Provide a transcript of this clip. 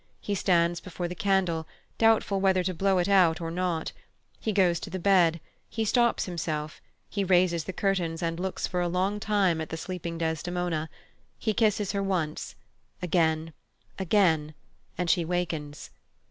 He stands before the candle, doubtful whether to blow it out or not; he goes to the bed; he stops himself; he raises the curtains and looks for a long time at the sleeping Desdemona; he kisses her once, again, again, and she wakens.